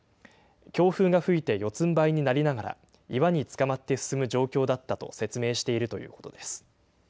強風が吹いて四つんばいになりながら、岩につかまって進む状況だったと説明しているということです。